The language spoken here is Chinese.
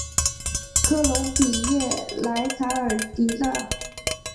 科隆比耶莱卡尔迪纳。